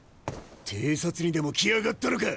偵察にでも来やがったのか？